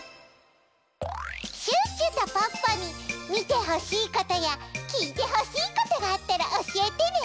シュッシュとポッポにみてほしいことやきいてほしいことがあったらおしえてね！